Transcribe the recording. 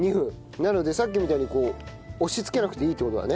なのでさっきみたいにこう押しつけなくていいって事だね。